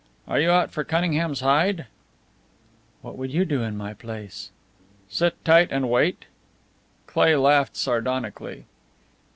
"Are you out for Cunningham's hide?" "What would you do in my place?" "Sit tight and wait." Cleigh laughed sardonically.